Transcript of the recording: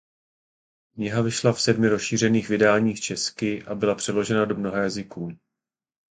Kniha vyšla v sedmi rozšířených vydáních česky a byla přeložena do mnoha jazyků.